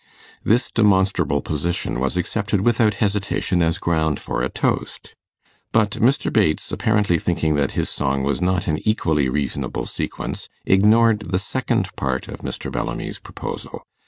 This demonstrable position was accepted without hesitation as ground for a toast; but Mr. Bates, apparently thinking that his song was not an equally reasonable sequence, ignored the second part of Mr. Bellamy's proposal.